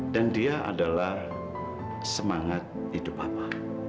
dan dia adalah semangat hidup papa